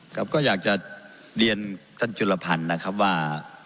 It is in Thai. ครับก็อยากจะเรียนท่านจุลพันธ์นะครับว่า